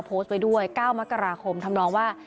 โพสต์ไว้ด้วย๙มกราคมทำนองว่า